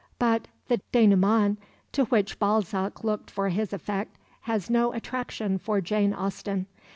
But the dénouement to which Balzac looked for his effect has no attraction for Jane Austen.